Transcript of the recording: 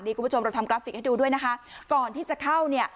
คุณผู้ชมเราทำกราฟิกให้ดูด้วยนะคะก่อนที่จะเข้าเนี่ย